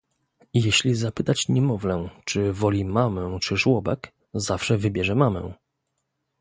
Jeśli zapytać niemowlę czy woli mamę czy żłobek, zawsze wybierze mamę